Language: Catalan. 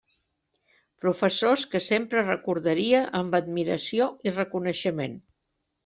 Professors que sempre recordaria amb admiració i reconeixement.